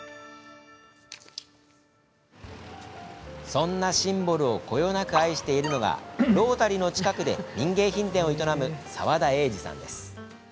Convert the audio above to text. そんなシンボルをこよなく愛しているのがロータリーの近くで民芸品店を営む澤田栄治さん。